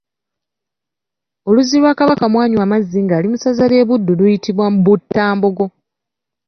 Oluzzi lwa Kabaka mwanywa amazzi ng’ali mu ssaza lye Buddu luyitibwa Buttambogo.